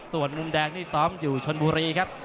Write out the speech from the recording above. ส่วนมุมแดงนี่ซ้อมอยู่ชนบุรีครับ